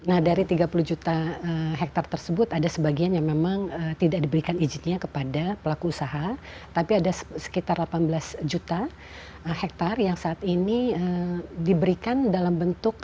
nah dari tiga puluh juta hektare tersebut ada sebagian yang memang tidak diberikan izinnya kepada pelaku usaha tapi ada sekitar delapan belas juta hektare yang saat ini diberikan dalam bentuk